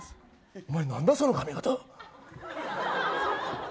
お前、なんだその髪形。